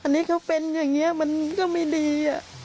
อันนี้เขาเป็นอย่างนี้มันก็ไม่ดี